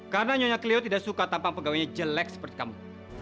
karena nyonya cleo tidak suka tampang pegawainya jelek seperti kamu